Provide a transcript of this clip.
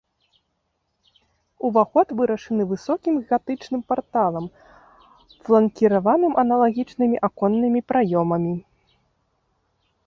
Уваход вырашаны высокім гатычным парталам, фланкіраваным аналагічнымі аконнымі праёмамі.